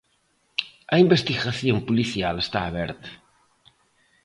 A investigación policial está aberta.